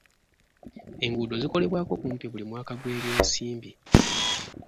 Enguudo zikolebwako kumpi buli mwaka gw'ebyensimbi.